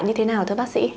như thế nào thưa bác sĩ